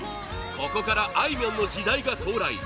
ここからあいみょんの時代が到来